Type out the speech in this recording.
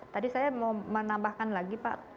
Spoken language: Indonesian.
tadi saya mau menambahkan lagi pak